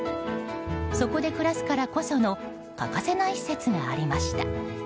そこで暮らすからこその欠かせない施設がありました。